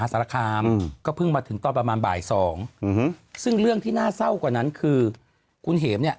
ก็ก็ก็เป็นบรรยากาศที่แบบเพื่อน